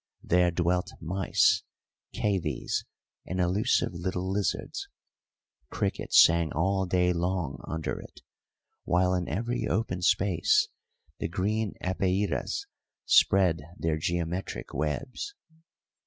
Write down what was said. There dwelt mice, cavies, and elusive little lizards; crickets sang all day long under it, while in every open space the green epeiras spread their geometric webs.